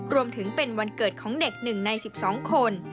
รวมถึงเป็นวันเกิดของเด็ก๑ใน๑๒คน